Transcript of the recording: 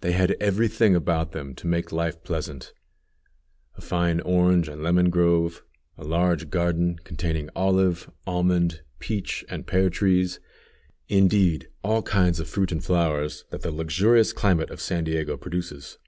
They had every thing about them to make life pleasant: a fine orange and lemon grove; a large garden, containing olive, almond, peach, and pear trees; indeed, all kinds of fruit and flowers, that the luxurious climate of San Diego produces.